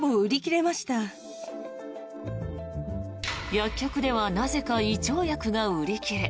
薬局ではなぜか胃腸薬が売り切れ。